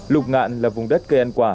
lục ngạn là vùng đất cây ăn quả